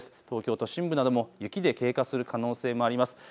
東京都心部なども雪で経過する可能性もあります。